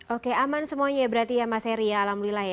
oke aman semuanya berarti ya mas heri alhamdulillah ya